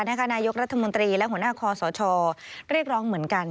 นายกรัฐมนตรีและหัวหน้าคอสชเรียกร้องเหมือนกัน